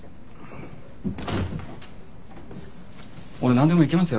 俺何でもいけますよ。